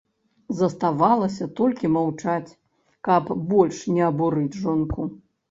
Заставалася толькі маўчаць, каб больш не абурыць жонку.